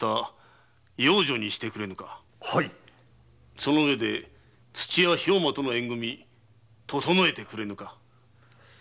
その上で土屋兵馬との縁組みととのえてくれぬか。